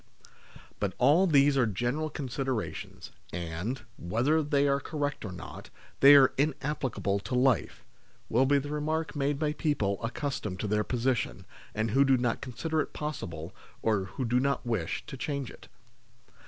" BUT all these are general considerations, and, whether they are correct or not, they are inap plicable to life," will be the remark made by people accustomed to their position, and who do not consider it possible, or who do not wish, to change it.